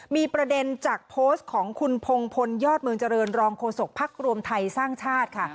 มีประเด็นจากโพสต์ของคุณพงพลยอดเมืองเจริญรองโฆษกภักดิ์รวมไทยสร้างชาติค่ะ